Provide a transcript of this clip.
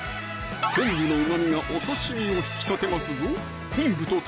昆布のうまみがお刺身を引き立てますぞ